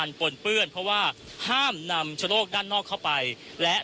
คุณทัศนาควดทองเลยค่ะ